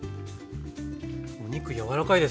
お肉柔らかいです。